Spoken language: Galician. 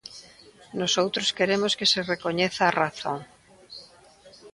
Nosoutros queremos que se recoñeza a razón.